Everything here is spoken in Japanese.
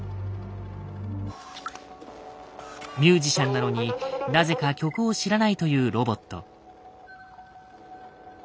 ミュージシャンなのになぜか曲を知らないというロボット。